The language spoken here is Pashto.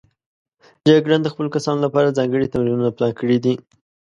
جګړن د خپلو کسانو لپاره ځانګړي تمرینونه پلان کړي دي.